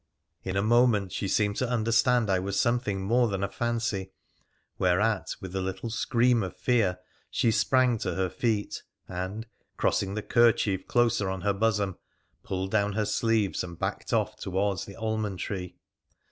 In a moment she seemed to understand I was something more than a fancy, whereat, with a little scream of fear, she sprang to her feet, and, crossing the kerchief closer on her bosom, pulled down her sleeves and backed off towards the almond tree.